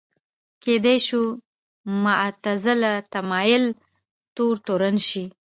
کېدای شو معتزله تمایل تور تورن شي